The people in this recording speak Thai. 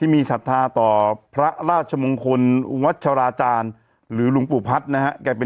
มีศัฒนาต่อพระราชมงคลอุงวัดชราจารย์หรือลุงปู่พัฒน์นะฮะ